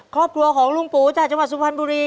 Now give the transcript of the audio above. ครอบครัวของลุงปู่จากจังหวัดสุพรรณบุรี